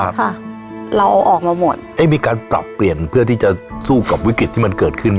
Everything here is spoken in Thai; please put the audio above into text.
ค่ะเราเอาออกมาหมดเอ๊ะมีการปรับเปลี่ยนเพื่อที่จะสู้กับวิกฤตที่มันเกิดขึ้น